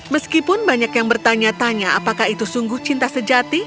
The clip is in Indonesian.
meskipun banyak yang bertanya tanya apakah itu sungguh cinta sejati